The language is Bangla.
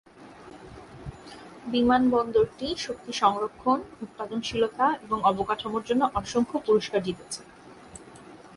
বিমানবন্দরটি শক্তি সংরক্ষণ, উৎপাদনশীলতা এবং অবকাঠামোর জন্য অসংখ্য পুরস্কার জিতেছে।